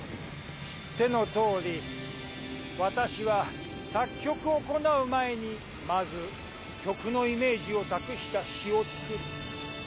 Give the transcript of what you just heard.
知っての通り私は作曲を行う前にまず曲のイメージを託した詩を作る。